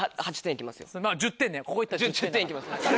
１０点いきます。